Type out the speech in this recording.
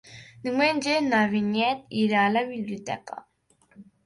Diumenge na Vinyet irà a la biblioteca.